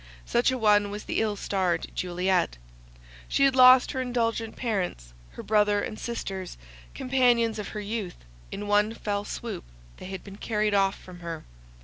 Such a one was the ill starred Juliet. She had lost her indulgent parents, her brothers and sisters, companions of her youth; in one fell swoop they had been carried off from her.